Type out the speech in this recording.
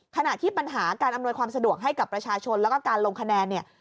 ขณะที่ปัญหาการอำนวยความสะดวกให้กับประชาชนแล้วก็การลงคะแนนเนี่ย